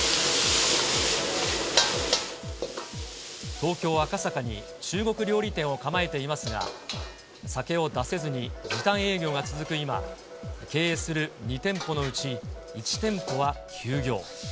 東京・赤坂に中国料理店を構えていますが、酒を出せずに時短営業が続く今、経営する２店舗のうち１店舗は休業。